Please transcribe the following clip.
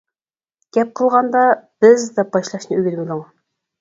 گەپ قىلغاندا «بىز» دەپ باشلاشنى ئۆگىنىۋېلىڭ.